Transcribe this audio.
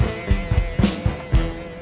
ya ini lagi serius